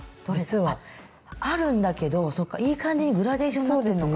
あっあるんだけどいい感じにグラデーションになってるのかな。